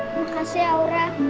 makasih ya aura